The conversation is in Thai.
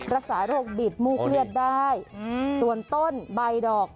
รักษาโรคบิดมูกเลือดได้ส่วนต้นใบดอก